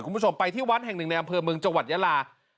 คุณผู้ชมไปที่วัดแห่งหนึ่งในอำเภอเมืองจังหวัดยาลา